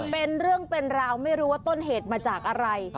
เป็นเรื่องเป็นราวไม่รู้ว่าต้นเหตุมาจากอะไร